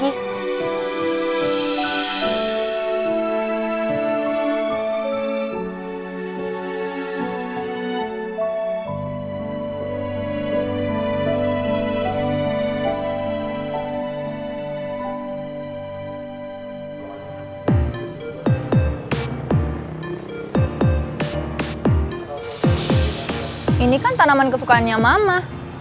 ini kan tanaman kesukaannya mama